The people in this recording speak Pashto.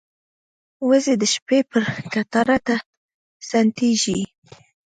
وزې د شپې پر کټار ته ستنېږي